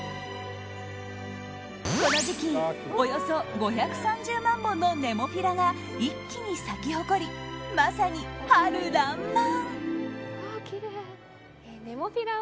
この時期、およそ５３０万本のネモフィラが一気に咲き誇り、まさに春爛漫。